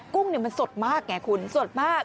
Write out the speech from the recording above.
กุ้งมันสดมากไงคุณสดมาก